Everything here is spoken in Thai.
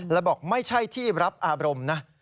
แล้วบอกไม่ใช่ที่รับอารมณ์นะ